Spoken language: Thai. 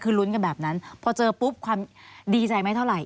คือลุ้นกันแบบนั้นพอเจอปุ๊บความดีใจไม่เท่าไหร